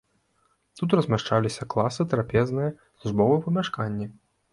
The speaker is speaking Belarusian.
Тут размяшчаліся класы, трапезная, службовыя памяшканні.